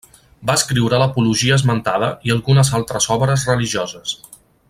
Va escriure l'apologia esmentada i algunes altres obres religioses.